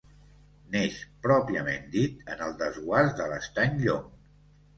Neix pròpiament dit en el desguàs de l'Estany Llong.